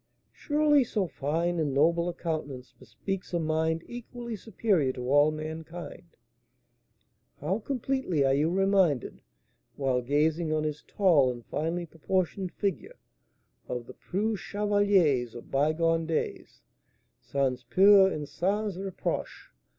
Surely so fine and noble a countenance bespeaks a mind equally superior to all mankind. How completely are you reminded, while gazing on his tall and finely proportioned figure, of the preux chevaliers of bygone days,'sans peur et sans reproche.'